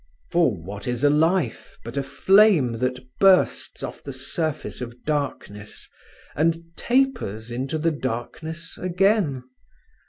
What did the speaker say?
For what is a life but a flame that bursts off the surface of darkness, and tapers into the darkness again?